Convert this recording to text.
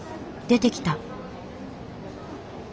出てきた。